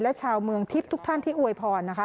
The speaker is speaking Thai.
และชาวเมืองทิพย์ทุกท่านที่อวยพรนะคะ